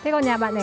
còn nhà bạn đẻ đâu